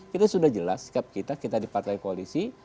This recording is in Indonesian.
kita sudah jelas sikap kita kita di partai koalisi